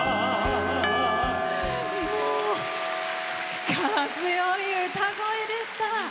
力強い歌声でした。